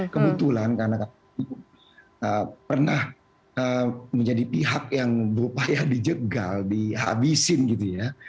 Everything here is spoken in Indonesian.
kebetulan karena kami pernah menjadi pihak yang berupaya dijegal dihabisin gitu ya